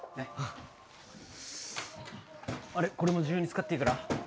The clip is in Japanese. あれこれも自由に使っていいから。